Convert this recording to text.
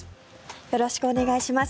よろしくお願いします。